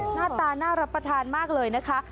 หน้าตาน่ารับประทานมากเลยนะคะ